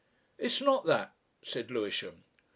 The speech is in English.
"It's not that," said Lewisham.